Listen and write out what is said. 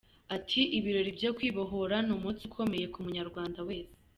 Ati "Ibirori byo Kwibohora ni umunsi ukomeye ku Munyarwanda wese.